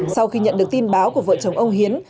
sau khi nhận được tin báo của vợ chồng ông hiến